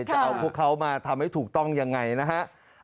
จะเอาพวกเขามาทำให้ถูกต้องยังไงนะฮะ